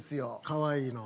かわいいの。